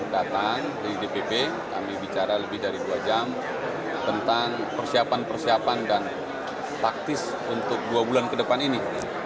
datang dari dpp kami bicara lebih dari dua jam tentang persiapan persiapan dan taktis untuk dua bulan ke depan ini